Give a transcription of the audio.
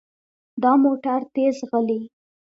دا موټر تیز ځغلي.